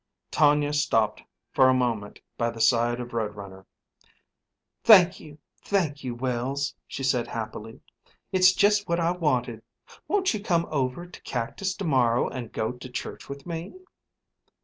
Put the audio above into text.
Tonia stopped for a moment by the side of Road Runner. "Thank you, thank you, Wells," she said, happily. "It's just what I wanted. Won't you come over to Cactus to morrow and go to church with me?"